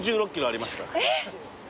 えっ！？